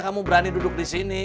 kamu berani duduk disini